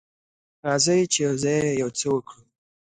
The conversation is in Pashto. راځئ چې یوځای یو څه وکړو.